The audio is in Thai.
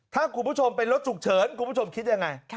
ถ้าคุณผู้ชมเป็นรถฉุกเฉินคุณผู้ชมคิดยังไง